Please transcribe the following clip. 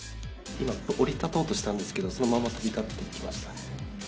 今降り立とうとしているんですけど、そのまま飛び立っていきましたね。